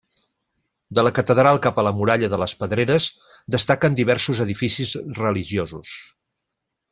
De la catedral cap a la muralla de les Pedreres destaquen diversos edificis religiosos.